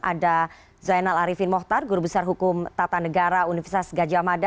ada zainal arifin mohtar guru besar hukum tata negara universitas gajah mada